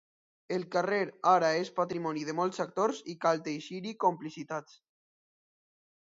El carrer ara és patrimoni de molts actors i cal teixir-hi complicitats.